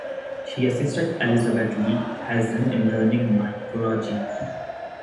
She assisted Elizabeth Lee Hazen in learning mycology.